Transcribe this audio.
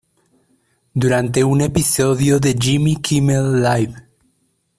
Durante un episodio de "Jimmy Kimmel Live!